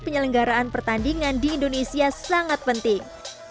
penyelenggaraan pertandingan di indonesia sangat penting